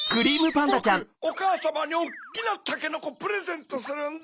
ボクおかあさまにおっきなたけのこプレゼントするんだ！